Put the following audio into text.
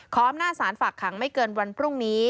อำนาจสารฝากขังไม่เกินวันพรุ่งนี้